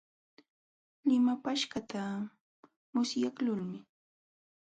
Limapaaśhqaata musyaqlunmi.